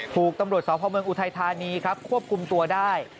ถูกตำรวจสพเมืองอุทัยธานีครับควบคุมตัวได้